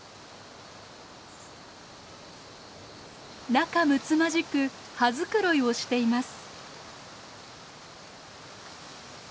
仲むつまじく羽繕いをしています。